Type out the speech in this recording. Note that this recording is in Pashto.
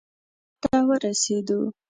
بغداد ته ورسېدو.